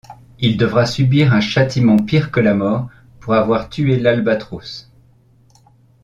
Il devra subir un châtiment pire que la mort pour avoir tué l'albatros.